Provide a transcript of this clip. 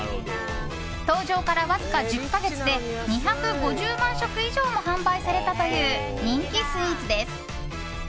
登場から、わずか１０か月で２５０万食以上も販売されたという人気スイーツです。